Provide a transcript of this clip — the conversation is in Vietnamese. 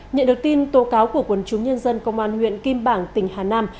nhận được tin tố cáo của quần chúng nhân dân công an huyện kim bảng tỉnh hà nam